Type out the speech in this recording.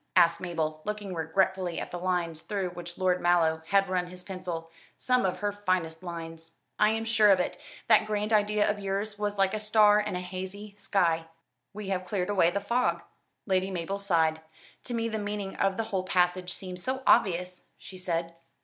asked Mabel, looking regretfully at the lines through which Lord Mallow had run his pencil some of her finest lines. "I am sure of it. That grand idea of yours was like a star in a hazy sky. We have cleared away the fog." Lady Mabel sighed. "To me the meaning of the whole passage seemed so obvious," she said.